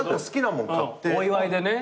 お祝いでね。